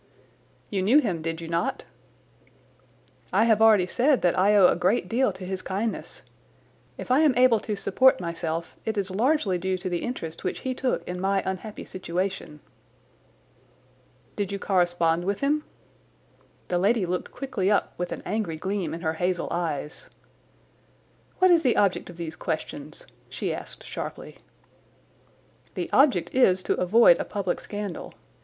"You knew him, did you not?" "I have already said that I owe a great deal to his kindness. If I am able to support myself it is largely due to the interest which he took in my unhappy situation." "Did you correspond with him?" The lady looked quickly up with an angry gleam in her hazel eyes. "What is the object of these questions?" she asked sharply. "The object is to avoid a public scandal.